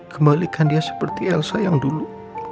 kembalikan dia seperti elsa yang dulu